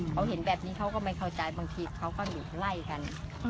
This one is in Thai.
เขาเห็นแบบนี้เขาก็ไม่เข้าใจบางทีเขาก็ไล่กัน